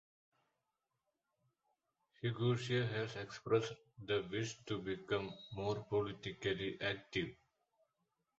Higuita has expressed the wish to become more politically active.